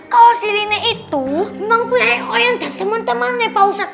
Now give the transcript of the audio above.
kalau si rina itu memang punya oyang dan teman teman pak ustadz